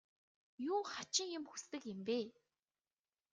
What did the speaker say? Юун хачин юм хүсдэг юм бэ?